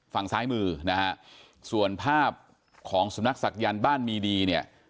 ฝั่งซ้ายมือนะฮะส่วนภาพของสำนักศักยันต์บ้านมีดีเนี่ย